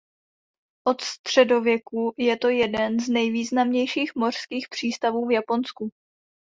Od středověku je to jeden z nejvýznamnějších mořských přístavů v Japonsku.